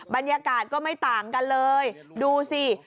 บรรยากาศก็ไม่ต่างกันเลยดูสิ